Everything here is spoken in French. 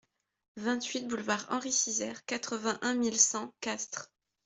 vingt-huit boulevard Henri Sizaire, quatre-vingt-un mille cent Castres